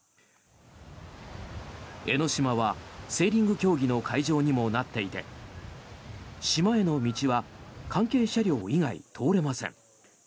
江の島はセーリング競技の会場にもなっていて島への道は関係車両以外通れません。